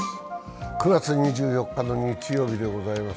９月２４日の日曜日でございます。